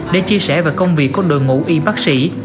để chia sẻ về công việc của đội ngũ y bác sĩ